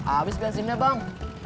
abis bensinnya bang